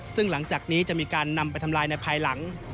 ซึ่งหลังจากนี้จะมีการนำไปทำลายในภายหลัง